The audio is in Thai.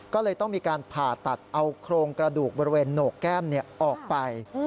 ก็เลยต้องมีการผ่าตัดเอาโครงกระดูกบริเวณโหนกแก้มออกไป